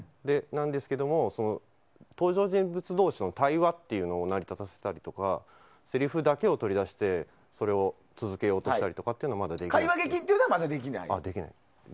ですけど、登場人物同士の対話を成り立たせたりせりふだけを取り出してそれを続けようとしたりは会話劇はまだできないと。